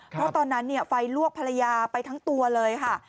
เพราะตอนนั้นไฟลวกภรรยาไปทั้งตัวเลยค่ะ